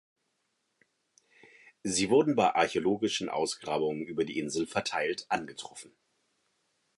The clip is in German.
Sie wurden bei archäologischen Ausgrabungen über die Insel verteilt angetroffen.